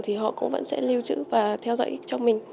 thì họ cũng vẫn sẽ lưu trữ và theo dõi cho mình